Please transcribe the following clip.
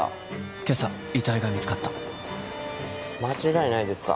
☎今朝遺体が見つかった間違いないですか？